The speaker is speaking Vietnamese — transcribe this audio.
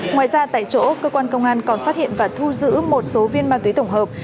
ngoài ra tại chỗ cơ quan công an còn phát hiện và thu giữ một số viên ma túy tổng hợp